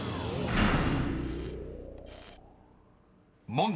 ［問題］